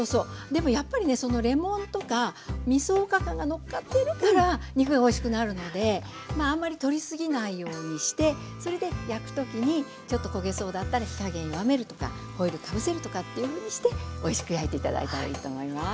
でもやっぱりねレモンとかみそおかかがのっかってるから肉がおいしくなるのであんまり取り過ぎないようにしてそれで焼く時にちょっと焦げそうだったら火加減弱めるとかホイルかぶせるとかっていうふうにしておいしく焼いて頂いたらいいと思います。